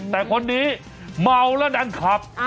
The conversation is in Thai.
แต่คนนี้เมาแล้วดันขับ